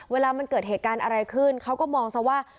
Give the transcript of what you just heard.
เวลามันเกิดเหตุการณ์อะไรขึ้นเขาก็มองซะว่า